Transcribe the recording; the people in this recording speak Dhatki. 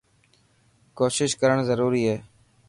ڪوشش ڪرڻ ضروري هي.